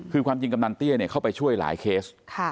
คือความจริงกำนันเตี้ยเข้าไปช่วยหลายเคส